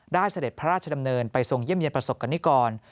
ได้เสด็จพระราชดำเนินไปส่งเยี่ยมเยี่ยมประสบกันนี้ก่อน